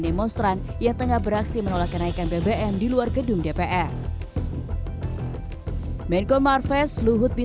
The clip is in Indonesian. demonstran yang tengah beraksi menolak kenaikan bbm di luar gedung dpr menko marves luhut bin